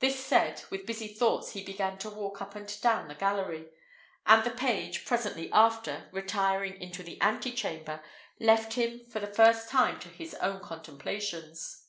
This said, with busy thoughts he began to walk up and down the gallery; and the page, presently after, retiring into the ante chamber, left him for the time to his own contemplations.